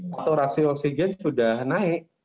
saturasi oksigen sudah naik